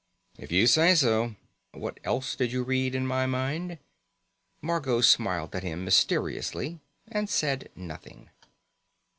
"If you say so. What else did you read in my mind?" Margot smiled at him mysteriously and said nothing.